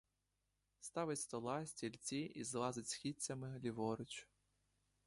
Ставить стола, стільці і злазить східцями ліворуч.